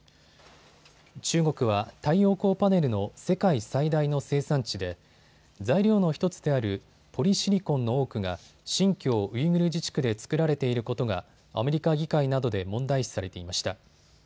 中国は太陽光パネルの世界最大の生産地で材料の１つであるポリシリコンの多くが新疆ウイグル自治区で作られていることがアメリカ議会などで問題視されていました。